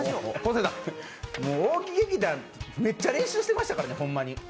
大木劇団、めっちゃ練習してましたからね。